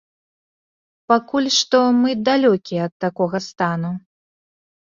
Пакуль што мы далёкія ад такога стану.